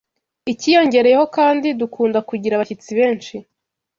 icyiyongereyeho kandi dukunda kugira abashyitsi benshi